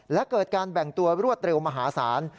และเกิดการแบ่งตัวรวดเร็วมหาศาล